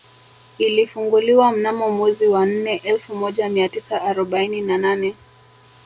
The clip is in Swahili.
Ilifunguliwa mnamo mwezi wa nne elfu moja mia tisa arobaini na nane